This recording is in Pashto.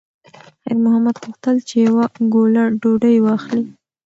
خیر محمد غوښتل چې یوه ګوله ډوډۍ واخلي.